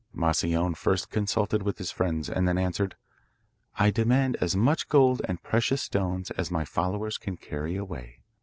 Moscione first consulted with his friends, and then answered: 'I demand as much gold and precious stones as my followers can carry away.